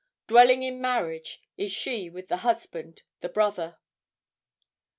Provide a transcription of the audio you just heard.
Dwelling in marriage (is she) with the husband, the brother."